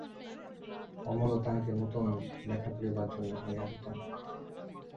অমলও তাহাকে নূতন লেখা পড়িবার জন্য আনিয়া দিত।